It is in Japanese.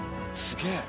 すげえ。